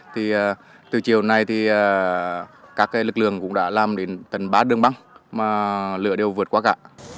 thì từ chiều nay thì các lực lượng cũng đã làm đến tầng ba đường băng mà lửa đều vượt qua cả